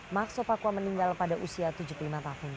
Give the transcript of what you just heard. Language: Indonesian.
maxo pakua meninggal pada usia tujuh puluh lima tahun